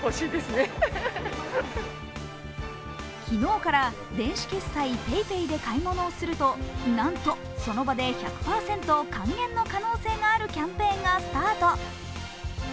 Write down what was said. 昨日から電子決済ＰａｙＰａｙで買い物をするとなんとその場で１００％還元の可能性があるキャンペーンがスタート。